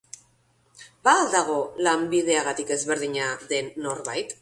Ba al dago lanbideagatik ezberdina den norbait?